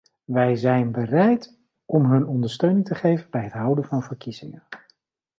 We zijn bereid om hun ondersteuning te geven bij het houden van verkiezingen.